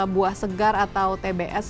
buah segar atau tbs